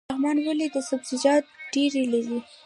لغمان ولې سبزیجات ډیر لري؟